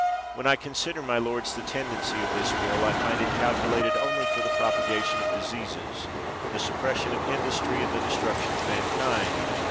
When I consider, my lords, the tendency of this bill, I find it calculated only for the prop agation of diseases, the suppression of industry, and the destruction of mankind.